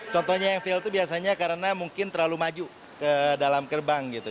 contohnya yang fail itu biasanya karena mungkin terlalu maju ke dalam gerbang gitu